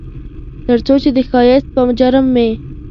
ترڅو چې د ښایست په جرم مې